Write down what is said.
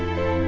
một lần nữa